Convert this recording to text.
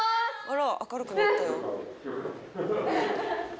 あら明るくなったよ。